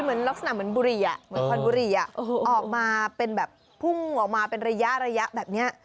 เหมือนควันบุรีอ่ะออกมาเป็นแบบพุ่งออกมาเป็นระยะแบบนี้